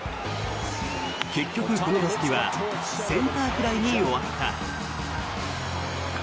結局、この打席はセンターフライに終わった。